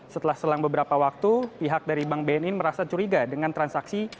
setelah selang beberapa waktu pihak dari bank bni merasa curiga dengan transaksi